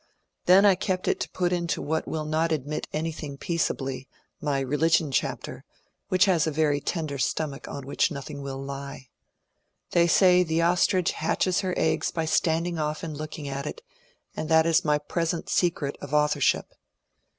Then I kept it to put into what will not admit anything peaceably, my * Religion ' chapter, which has a very tender stomach on which nothing will lie. They say the ostrich hatches her egg by standing off and looking at it, and that is my present secret of authorship.